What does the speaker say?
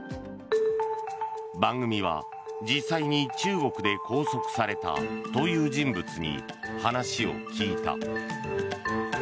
番組は、実際に中国で拘束されたという人物に話を聞いた。